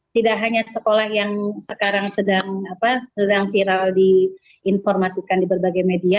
tidak hanya sekolah yang sekarang sedang viral diinformasikan di berbagai media